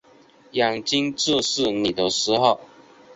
眼睛注视你的时候